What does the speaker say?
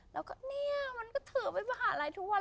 แล้วก็เนี่ยมันก็เถอไปบินภาษาละทุกวัน